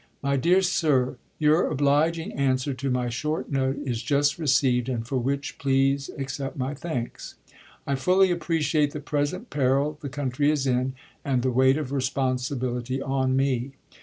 My Dear Sir : Your obliging answer to my short note is just received, and for which please accept my thanks. I fully appreciate the present peril the country is in, and the weight of responsibility on me.